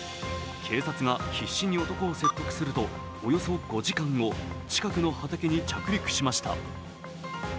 警察が必死に男を説得するとおよそ５時間後近くの畑に着陸しました。